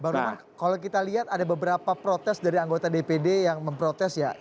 bang roman kalau kita lihat ada beberapa protes dari anggota dpd yang memprotes ya